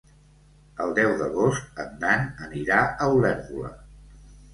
El deu d'agost en Dan anirà a Olèrdola.